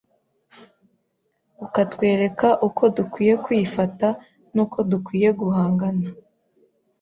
ukatwereka uko dukwiye kwifata n’uko dukwiye guhangana n